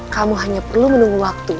kamu hanya perlu menunggu